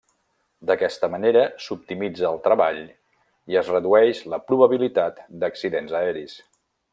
D'aquesta manera s'optimitza el treball i es redueix la probabilitat d'accidents aeris.